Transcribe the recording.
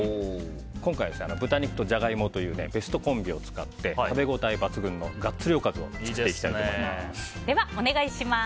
今回、豚肉とジャガイモというベストコンビを使って食べ応え抜群のガッツリおかずをでは、お願いします。